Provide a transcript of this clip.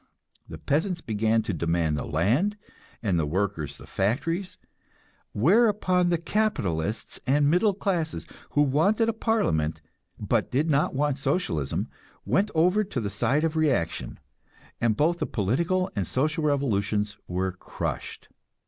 The peasants began to demand the land, and the workers the factories; whereupon the capitalists and middle classes, who wanted a parliament, but did not want Socialism, went over to the side of reaction, and both the political and social revolutions were crushed.